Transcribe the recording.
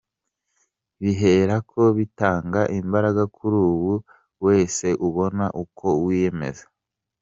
Biherako bitanga imbaraga kuri buri wese ubona uku kwiyemeza.